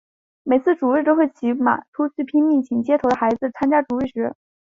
每次主日都会骑马出去拼命请街头的孩子参加主日学。